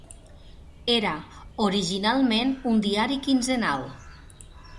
Era originalment un diari quinzenal.